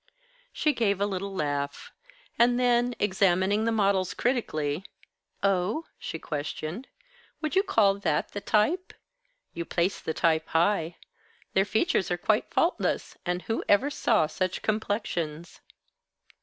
She gave a little laugh; and then, examining the models critically, "Oh?" she questioned. "Would you call that the type? You place the type high. Their features are quite faultless, and who ever saw such complexions?"